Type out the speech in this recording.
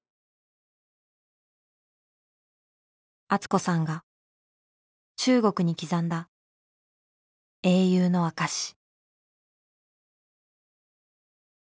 敦子さんが中国に刻んだ英雄の証し。